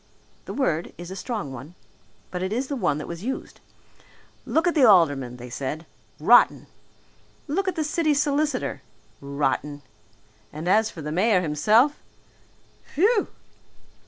The word is a strong one. But it is the one that was used. Look at the aldermen, they said rotten! Look at the city solicitor, rotten! And as for the mayor himself phew!